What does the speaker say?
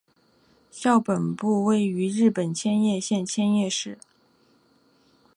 校本部位于日本千叶县千叶市。